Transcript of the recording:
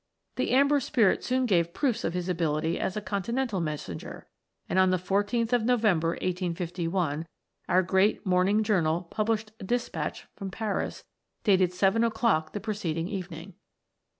The Amber Spirit soon gave proofs of his ability as a continental messenger, and on the 14th of November, 1851, our great morning journal pub lished a despatch from Paris, dated seven o'clock the preceding evening